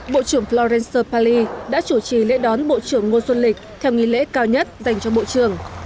bộ trưởng florence pale đã chủ trì lễ đón bộ trưởng ngô xuân lịch theo nghi lễ cao nhất dành cho bộ trưởng